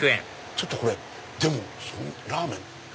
ちょっとこれでもラーメン？